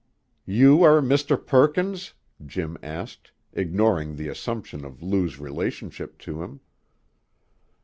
"You are Mr. Perkins?" Jim asked, ignoring the assumption of Lou's relationship to him.